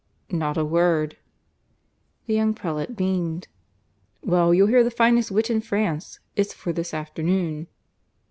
"Not a word." The young prelate beamed. "Well, you'll hear the finest wit in France! It's for this afternoon."